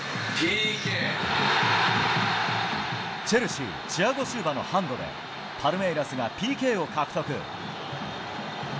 チェルシーチアゴ・シウバのハンドでパルメイラスがＰＫを獲得。